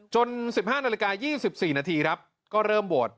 ๑๕นาฬิกา๒๔นาทีครับก็เริ่มโหวต